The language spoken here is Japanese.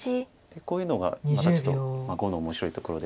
こういうのがまたちょっと碁の面白いところで。